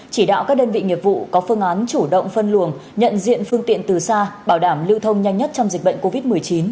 chỉ đạo các đơn vị nghiệp vụ có phương án chủ động phân luồng nhận diện phương tiện từ xa bảo đảm lưu thông nhanh nhất trong dịch bệnh covid một mươi chín